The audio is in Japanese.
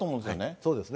そうですね。